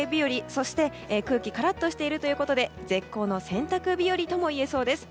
そして、空気がカラッとしているということで絶好の洗濯日和といえそうです。